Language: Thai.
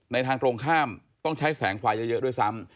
ทางตรงข้ามต้องใช้แสงไฟเยอะด้วยซ้ำ